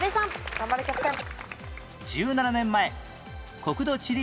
頑張れキャプテン。